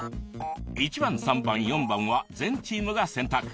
１番３番４番は全チームが選択。